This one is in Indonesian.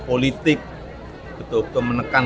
politik betul betul menekan